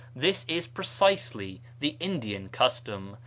This is precisely the Indian custom.